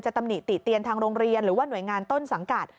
ตำหนิติเตียนทางโรงเรียนหรือว่าหน่วยงานต้นสังกัด